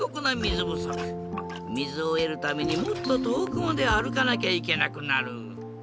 みずをえるためにもっととおくまであるかなきゃいけなくなる。